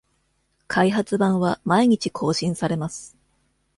開発版は毎日更新されます